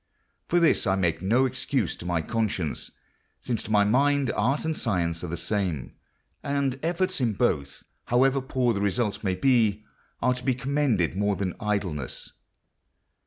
For this I make no excuse to my conscience, since to my mind art and science are the same, and efforts in both, however poor the result may be, are to be commended more than idleness.